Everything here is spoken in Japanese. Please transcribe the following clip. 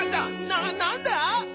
ななんだ！？